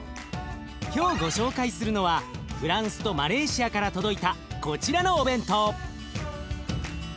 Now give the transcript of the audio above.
今日ご紹介するのはフランスとマレーシアから届いたこちらのお弁当。